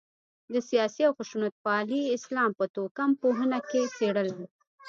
د سیاسي او خشونتپالي اسلام په توکم پوهنه کې څېړلای.